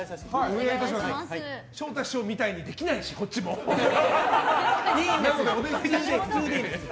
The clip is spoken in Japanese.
昇太師匠みたいにできないしいいんですよ。